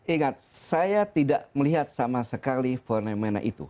ingat saya tidak melihat sama sekali fenomena itu